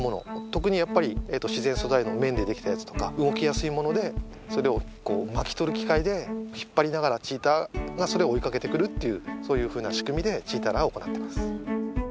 特にやっぱり自然素材の綿で出来たやつとか動きやすいものでそれを巻き取る機械で引っ張りながらチーターがそれを追いかけてくるっていうそういうふうな仕組みでチーターランを行ってます。